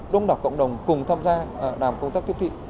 đông đọc cộng đồng cùng tham gia làm công tác tiếp thị